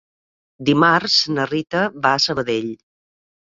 Dimarts na Rita va a Sabadell.